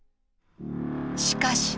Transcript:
しかし。